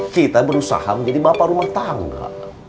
kita berusaha menjadi bapak rumah tangga